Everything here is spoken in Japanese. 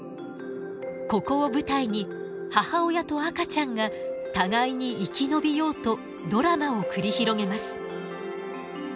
ここを舞台に母親と赤ちゃんが互いに生き延びようとドラマを繰り広げます。